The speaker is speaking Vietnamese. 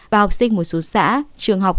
và học sinh một số xã trường học